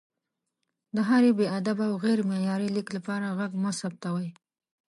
د هر بې ادبه او غیر معیاري لیک لپاره غږ مه ثبتوئ!